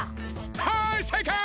はいせいかい！